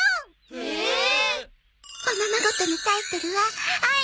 えっ！？